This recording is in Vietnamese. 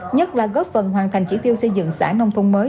nhất là góp phần hoàn thành chỉ tiêu xây dựng xã nông thôn mới